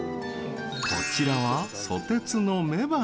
こちらはソテツの雌花。